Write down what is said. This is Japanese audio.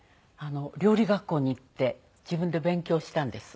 料理学校に行って自分で勉強したんです。